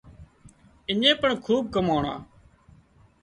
اڃين پڻ کوٻ ڪماڻا